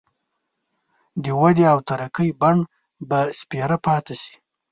د ودې او ترقۍ بڼ به سپېره پاتي شي.